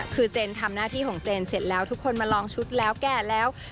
คือเจนทำหน้าที่ของเจนเสร็จแล้วทุกคนมาลองชุดแล้วแก่แล้ว